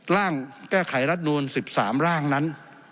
ร่างแก้ไขรัฐนูล๑๓ร่างนั้น